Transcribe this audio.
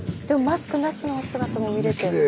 でもマスクなしのお姿も見れて。